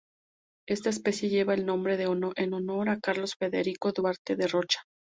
Esta especie lleva el nombre en honor a Carlos Frederico Duarte da Rocha.